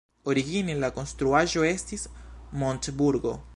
Origine la konstruaĵo estis montburgo.